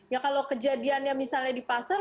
ya kalau kejadiannya misalnya di pasar